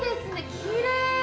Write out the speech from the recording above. きれい！